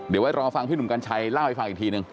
เดี๋ยวไว้รอฟังพี่หนุ่มกัญชัยเล่าให้ฟังอีกทีนึง